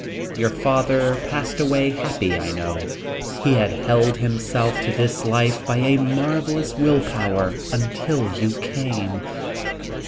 "Your father passed away happy, I know he had held himself to this life by a marvelous will power until you came.